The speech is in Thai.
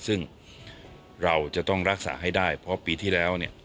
ซึ่งเราจะต้องรักษาให้ได้เพราะปีที่แล้วเนี่ย